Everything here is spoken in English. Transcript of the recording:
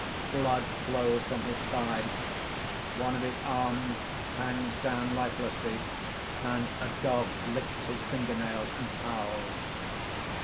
Blood flows from his thigh. One of his arms hangs down lifelessly; and a dog licks his finger nails and howls.